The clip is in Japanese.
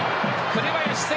紅林。